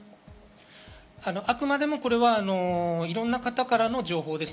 あくまでもいろんな方からの情報です。